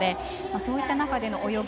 そういった中での泳ぎ